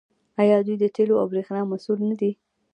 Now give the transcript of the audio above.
آیا دوی د تیلو او بریښنا مسوول نه دي؟